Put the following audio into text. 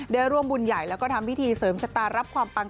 ได้ร่วมบุญใหญ่แล้วก็ทำพิธีเสริมชะตารับความปัง